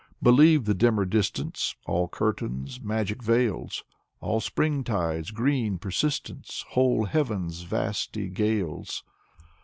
Believe the dimmer distance, All curtains : magic veils, All Springtides* green persistence. Whole heaven's vasty gales!